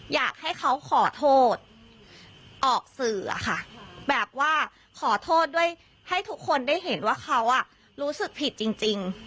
อยากให้เขาขอโทษออกสื่ออะค่ะแบบว่าขอโทษด้วยให้ทุกคนได้เห็นว่าเขารู้สึกผิดจริง